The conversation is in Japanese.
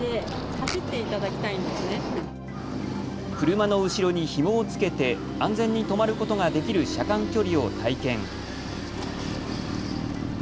車の後ろにひもをつけて安全に止まることができる車間距離を体験。